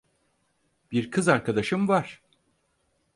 Bir kız arkadaşım var.